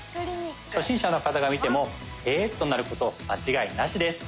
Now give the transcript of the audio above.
初心者の方が見てもへぇとなること間違いなしです。